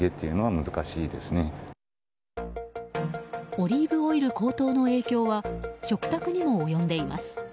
オリーブオイル高騰の影響は食卓にも及んでいます。